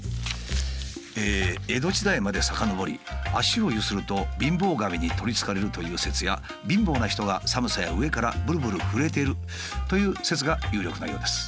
江戸時代までさかのぼり「脚をゆすると貧乏神に取りつかれる」という説や「貧乏な人が寒さや飢えからブルブル震えている」という説が有力なようです。